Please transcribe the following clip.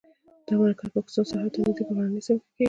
دا مرکه پاکستان سرحد ته نږدې په غرنۍ سیمه کې کړې.